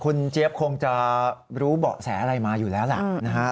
คุณเจ๊บคงจะรู้เบาะแสอะไรมาอยู่แล้วแหละ